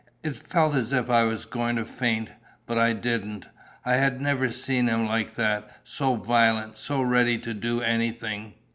I felt as if I was going to faint, but I didn't. I had never seen him like that, so violent, so ready to do anything....